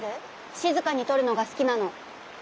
静かにとるのが好きなの。